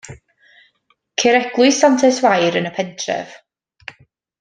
Ceir eglwys Santes Fair yn y pentref.